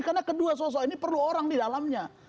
karena kedua sosok ini perlu orang di dalamnya